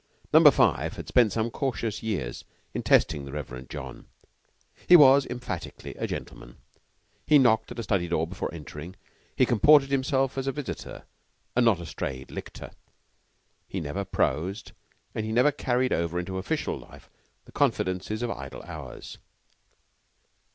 Number Five had spent some cautious years in testing the Reverend John. He was emphatically a gentleman. He knocked at a study door before entering; he comported himself as a visitor and not a strayed lictor; he never prosed, and he never carried over into official life the confidences of idle hours.